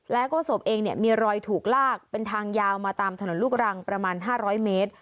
แล้วก็ศพเองมีรอยถูกลากเป็นทางยาวมาตามถนนลูกรังประมาณ๕๐๐เมตร